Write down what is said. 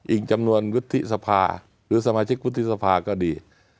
อีกจำนวนวุฒิสภาหรือสมาชิกวุฒิสภาก็ดี